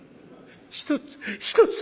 一つ一つ」。